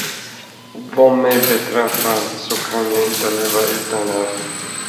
Vad mig beträffar, så kan jag inte leva utan er.